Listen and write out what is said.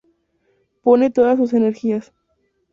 Pone todas sus energías.